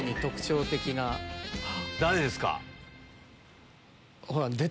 誰ですか？